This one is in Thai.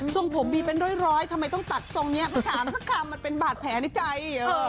ส่งผมมีเป็นร้อยทำไมต้องตัดทรงนี้มาถามสักคำมันเป็นบาดแผลในใจ